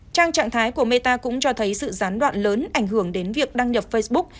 trang trạng thái của meta cũng cho thấy sự gián đoạn lớn ảnh hưởng đến việc đăng nhập facebook